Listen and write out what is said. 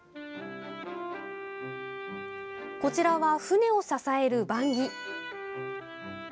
こちらは船を支える盤木。